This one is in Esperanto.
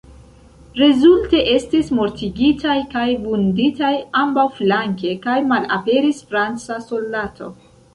Rezulte estis mortigitaj kaj vunditaj ambaŭflanke, kaj malaperis franca soldato.